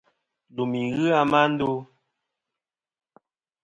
Lùmi ghɨ a ma ndo.